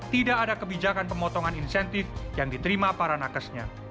tidak ada kebijakan pemotongan insentif yang diterima para nakesnya